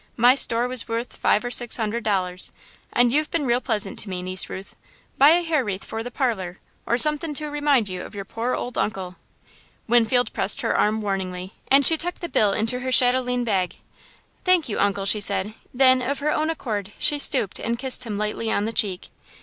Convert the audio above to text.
My store was wuth five or six hundred dollars, and you've been real pleasant to me, Niece Ruth. Buy a hair wreath for the parlour, or sunthin' to remind you of your pore old Uncle." Winfield pressed her arm warningly, and she tucked the bill into her chatelaine bag. "Thank you, Uncle!" she said; then, of her own accord, she stooped and kissed him lightly on the cheek.